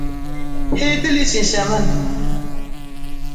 Sinsoman tiila.